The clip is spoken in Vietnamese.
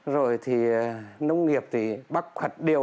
rồi thì nông nghiệp thì bóc hật điều